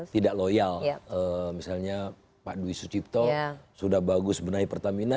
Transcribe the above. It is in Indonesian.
tidak loyal misalnya pak dwi sucipto sudah bagus benahi pertamina